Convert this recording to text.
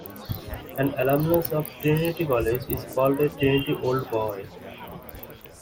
An alumnus of Trinity College is called a "Trinity Old Boy".